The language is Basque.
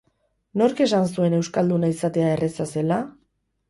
Nork esan zuen euskalduna izatea erreza zela?